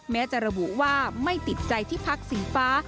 แม้จะระบุว่าไม่ติดใจที่พักสีฟ้า